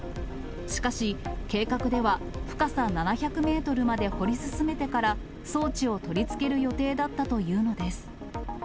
しかし、計画では深さ７００メートルまで掘り進めてから、装置を取り付ける予定だったというのです。